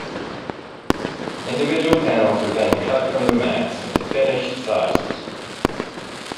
Individual panels are then cut from the mats into finished sizes.